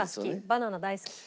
バナナ大好き。